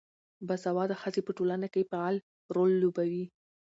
باسواده ښځې په ټولنه کې فعال رول لوبوي.